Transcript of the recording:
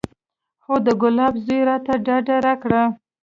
خو د ګلاب زوى راته ډاډ راکړ.